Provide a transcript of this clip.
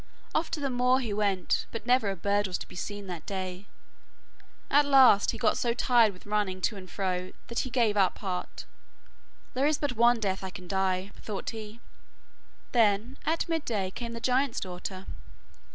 Off to the moor he went, but never a bird was to be seen that day. At last he got so tired with running to and fro that he gave up heart. 'There is but one death I can die,' thought he. Then at midday came the giant's daughter.